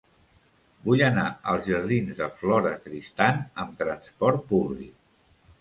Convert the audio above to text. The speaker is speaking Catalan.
Vull anar als jardins de Flora Tristán amb trasport públic.